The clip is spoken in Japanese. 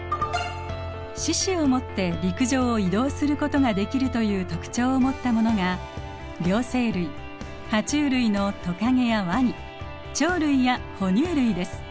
四肢をもって陸上を移動することができるという特徴をもったものが両生類ハチュウ類のトカゲやワニ鳥類や哺乳類です。